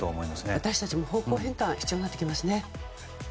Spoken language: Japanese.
私たちも方向変換が必要になってきますね。